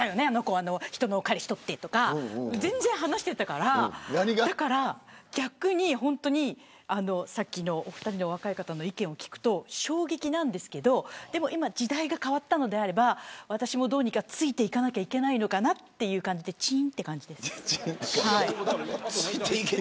あの子は人の彼氏取ってとか全然話してたから、逆にほんとにさっきのお二人の若い方の意見を聞くと衝撃なんですけどでも時代が変わったのであれば私もどうにかついていかなきゃいけないのかなっていう感じでちーんって感じです。